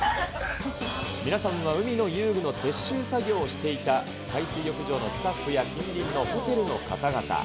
皆さんは海の遊具の撤収作業をしていた、海水浴場のスタッフや近隣のホテルの方々。